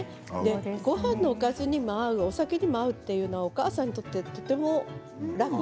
ごはんのおかずにも合うお酒にも合うというのはお母さんにとってとても楽。